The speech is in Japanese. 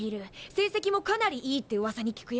成績もかなりいいってうわさに聞くよ。